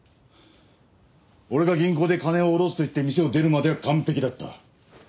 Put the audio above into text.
俺が銀行で金を下ろすと言って店を出るまでは完璧だった。